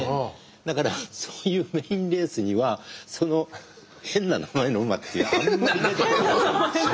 だからそういうメインレースには変な名前の馬っていうのはあんまり出てこなかった。